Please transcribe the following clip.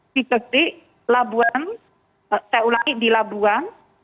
di kedik labuan saya ulangi di labuan